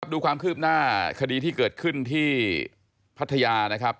ดูความคืบหน้าคดีที่เกิดขึ้นที่พัทยานะครับ